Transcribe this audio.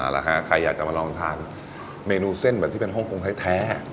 ใครอยากจะมาลองทานเมนูเส้นแบบที่เป็นฮ่องกงแท้